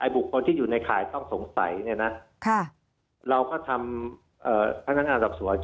บุคคลที่อยู่ในข่ายต้องสงสัยเราก็ทำท่านท่านอาจารย์ศักดิ์สวรรค์